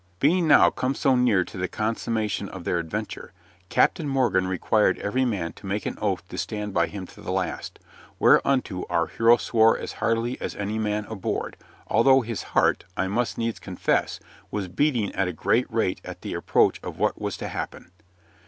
Being now come so near to the consummation of their adventure, Captain Morgan required every man to make an oath to stand by him to the last, whereunto our hero swore as heartily as any man aboard, although his heart, I must needs confess, was beating at a great rate at the approach of what was to happen.